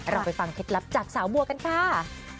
เราไปฟังเคล็ดลับจากสาวบัวกันค่ะ